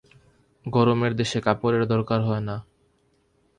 গরমদেশে কাপড়ের দরকার হয় না।